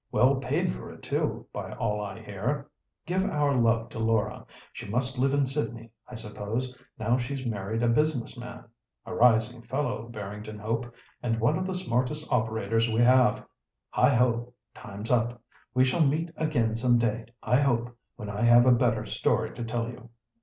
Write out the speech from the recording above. Well paid for it too, by all I hear! Give our love to Laura. She must live in Sydney, I suppose, now she's married a business man. A rising fellow, Barrington Hope, and one of the smartest operators we have. Heigho! time's up. We shall meet again some day I hope, when I have a better story to tell you."